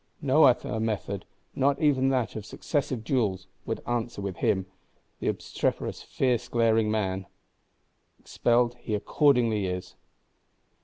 No other method, not even that of successive duels, would answer with him, the obstreperous fierce glaring man. Expelled he accordingly is.